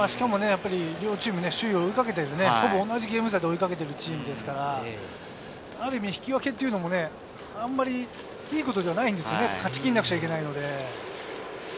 両チーム首位を追いかける、ほぼ同じゲーム差で追いかけていますから、引き分けというのもあまりいいことではないです、勝ち切らなくてはいけないので。